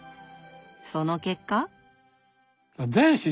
その結果。